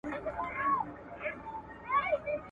که اطلس وي نو سمندر نه ورکیږي.